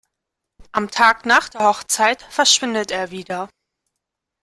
Am Tag nach der Hochzeit verschwindet er wieder.